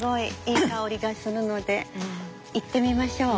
いい香りがするので行ってみましょう。